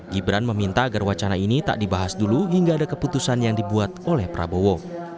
gibran meminta agar wacana ini tak dibahas dulu hingga ada keputusan yang dibuat oleh prabowo